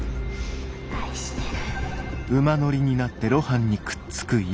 「愛してる」